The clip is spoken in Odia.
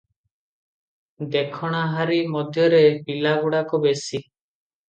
ଦେଖଣାହାରୀ ମଧ୍ୟରେ ପିଲାଗୁଡାକ ବେଶି ।